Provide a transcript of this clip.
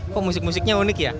kok musik musiknya unik ya